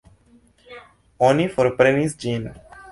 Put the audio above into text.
Oni forprenis ĝin.